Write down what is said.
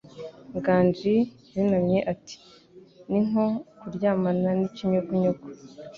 Nganji yunamye ati "Ninko kuryamana n'ikinyugunyugu."